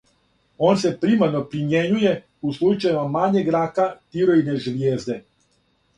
Он се примарно примјењује у случајевима мањег рака тироидне жлијезде.